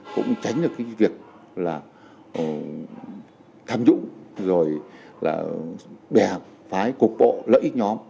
cũng tránh được cái việc là tham nhũng rồi là bè phái cục bộ lợi ích nhóm